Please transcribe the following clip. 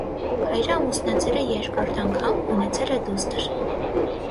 Հայրը ամուսնացել է երկրորդ անգամ, ունեցել է դուստր։